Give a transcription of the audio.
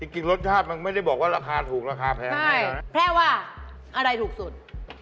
จริงรสชาติมันไม่ได้บอกว่าราคาถูกราคาแพงแพร่ว่าอะไรถูกสุด